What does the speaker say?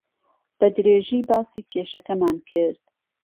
بەدرێژی باسی کێشەکەمان کرد.